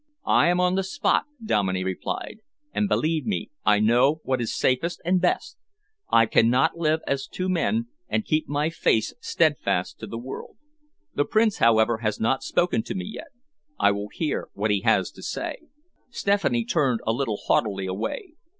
"I am on the spot," Dominey replied, "and believe me I know what is safest and best. I cannot live as two men and keep my face steadfast to the world. The Prince, however, has not spoken to me yet. I will hear what he has to say." Stephanie turned a little haughtily away.